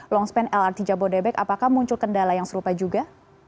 long span lrt jabodetabek apakah muncul kendala yang serupa juga